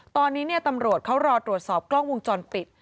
ตอนนี้ตำรวจเขารอตรวจสอบกล้องวงจรปิด